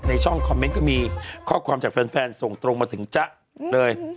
ช่องคอมเมนต์ก็มีข้อความจากแฟนส่งตรงมาถึงจ๊ะเลย